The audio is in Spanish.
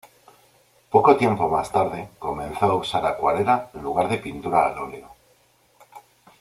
Poco tiempo más tarde, comenzó a usar acuarela en lugar de pintura al óleo.